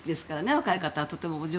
若い方は。